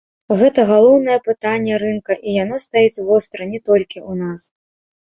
Гэта галоўнае пытанне рынка, і яно стаіць востра не толькі ў нас.